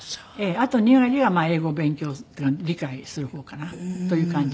あと２割はまあ英語勉強っていうか理解する方かな。という感じ。